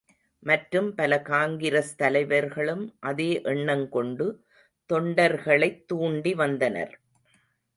மற்றும் பல காங்கிரஸ் தலைவர்களும் அதே எண்ணங்கொண்டு தொண்டர்களைத் தூண்டி வந்தனர்.